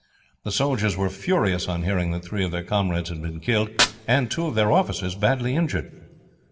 The soldiers were furious on hearing that three of their comrades had been killed, and two of their officers badly injured.